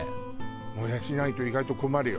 もやしないと意外と困るよ。